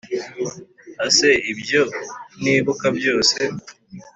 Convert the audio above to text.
ese ibyo nibuka byose